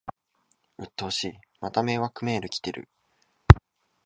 うっとうしい、また迷惑メール来てる